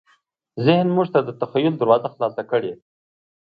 ذهن موږ ته د تخیل دروازه خلاصه کړې.